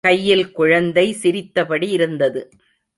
கையில் குழந்தை சிரித்தபடி இருந்தது.